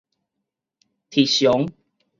喋詳